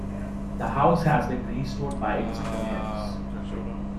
The house has been restored by its owners.